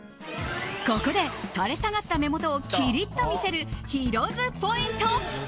ここで、垂れ下がった目元をきりっと見せるヒロ’ｓポイント。